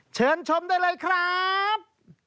เชิญชมได้เลยครับ